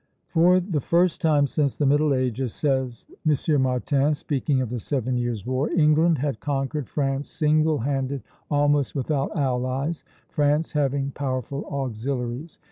"For the first time since the Middle Ages," says M. Martin, speaking of the Seven Years' War, "England had conquered France single handed almost without allies, France having powerful auxiliaries.